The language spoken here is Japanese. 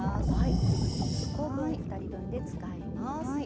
トマトを２コ分２人分で使います。